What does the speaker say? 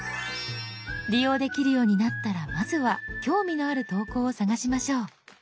利用できるようになったらまずは興味のある投稿を探しましょう。